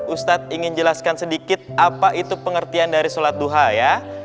ustadz ingin jelaskan sedikit apa itu pengertian dari sholat duha ya